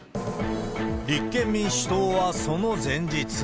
立憲民主党はその前日。